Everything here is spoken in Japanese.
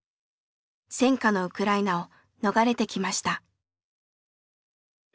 戦禍のウクライナを逃れてきました。